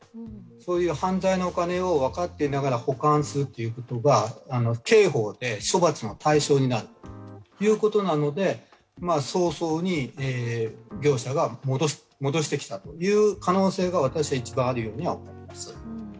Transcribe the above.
そういう犯罪のお金を分かっていながら保管するということが刑法で処罰の対象になるということなので、早々に業者が戻してきたという可能性が１番あるように思います。